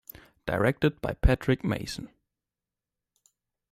Directed by Patrick Mason.